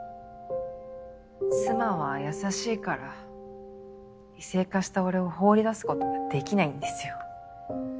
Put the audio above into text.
妻は優しいから異性化した俺を放り出すことができないんですよ。